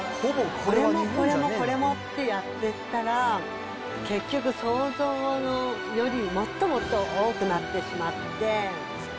これもこれもこれもってやっていったら、結局、想像よりもっともっと多くなってしまって。